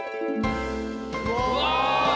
うわ！